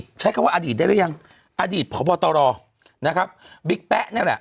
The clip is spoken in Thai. ใช้คำว่าอดีตได้หรือยังอดีตพบตรนะครับบิ๊กแป๊ะนี่แหละ